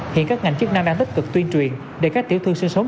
hiện các ngành chức năng đang tích cực tuyên truyền để các tiểu thương sinh sống